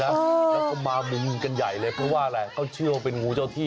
แล้วก็มามุมกันใหญ่เลยเพราะว่าอะไรเขาเชื่อว่าเป็นงูเจ้าที่